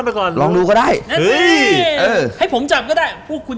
โปรดูเซอร์ได้ไหมโปรดูเซอร์